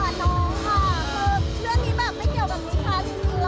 ตรงนี้เจอกับพี่สาวเขาก็อยู่ด้วย